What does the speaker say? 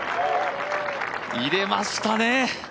入れましたね。